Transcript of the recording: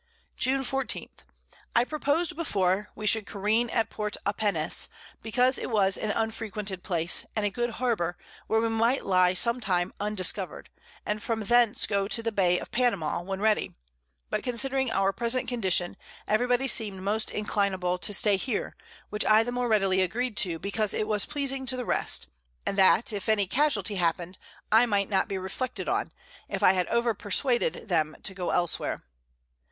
June 14. I proposed before, we should careen at Port a Penees, because it was an unfrequented Place, and good Harbour, where we might lie sometime undiscover'd, and from thence go to the Bay of Panama, when ready; but considering our present Condition, every body seem'd most inclinable to stay here, which I the more readily agreed to, because it was pleasing to the rest, and that, if any Casualty happen'd, I might not be reflected on, if I had over perswaded them to go elsewhere.